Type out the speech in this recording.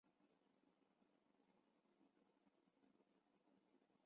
次日颜色格外鲜明。